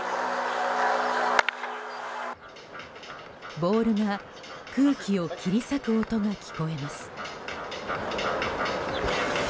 ボールの空気を切り裂く音が聞こえます。